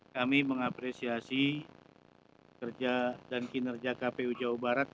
kami mengapresiasi kerja dan kinerja kpu jawa barat